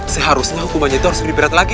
seharusnya hukumannya itu harus diperhat lagi